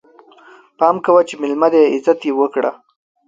پام کوه چې ميلمه دی، عزت يې وکړه!